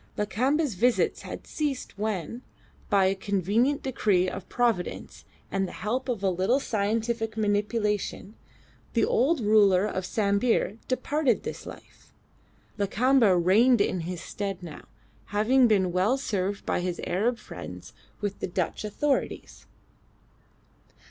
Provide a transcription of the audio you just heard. Lakamba's visits had ceased when, by a convenient decree of Providence and the help of a little scientific manipulation, the old ruler of Sambir departed this life. Lakamba reigned in his stead now, having been well served by his Arab friends with the Dutch authorities.